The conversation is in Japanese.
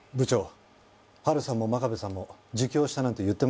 春さんも真壁さんも自供したなんて言ってませんよ。